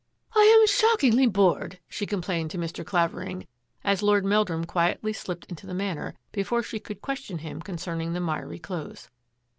" I am shockingly bored !" she complained to Mr. Clavering, as Lord Meldrum quietly slipped into the Manor before she could question him con cerning the miry clothes.